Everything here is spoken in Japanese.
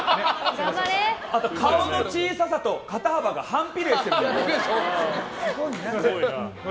あと、顔の小ささと肩幅が反比例しているんで。